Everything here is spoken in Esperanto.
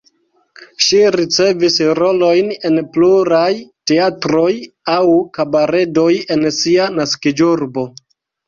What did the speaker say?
Ŝi ricevis rolojn en pluraj teatroj aŭ kabaredoj en sia naskiĝurbo.